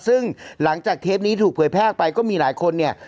ซึ่งหลังจากเทปนี้ถูกเผยแพร่ออกไปก็มีหลายคนเนี่ย